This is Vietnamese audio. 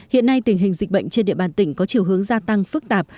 hiện nay tình hình dịch bệnh trên địa bàn tỉnh có chiều hướng gia tăng phức tạp